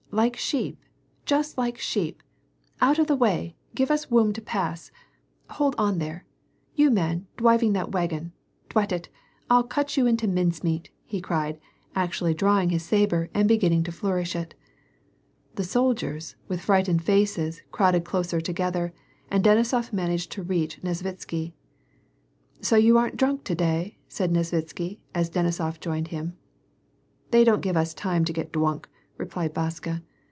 Like sheep ! Just like sheep ! Out of the way !— give us woom to pass ! Hold on there, you man dwiving that wagon ! dwat it ! I'll cut you into mincemeat," he cried, actually drawing his sabre and beginning to flourish it. The soldiers, with frightened faces, crowded closer together, and Denisof managed to reach Nesvitsky. " So you aren't drunk to day ?" said Nesvitsky, as Denisof joined him. " They don't give us time to get dwunk," replied Vaska.